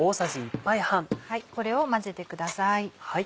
これを混ぜてください。